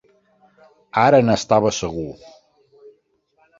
Ara n'estava segur.